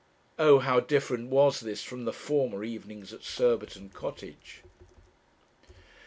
Oh! how different was this from the former evenings at Surbiton Cottage.